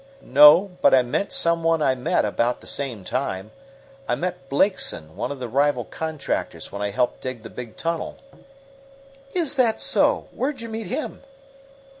"No; but I meant some one I met about the same time. I met Blakeson, one of the rival contractors when I helped dig the big tunnel." "Is that so? Where'd you meet him?"